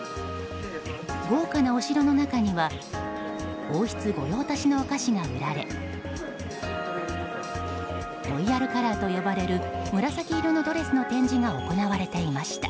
豪華なお城の中には王室御用達のお菓子が売られロイヤルカラーと呼ばれる紫色のドレスの展示が行われていました。